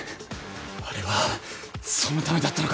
あれはそのためだったのかよ。